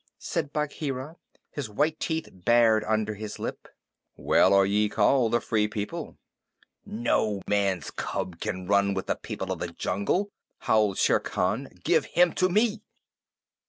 said Bagheera, his white teeth bared under his lip. "Well are ye called the Free People!" "No man's cub can run with the people of the jungle," howled Shere Khan. "Give him to me!"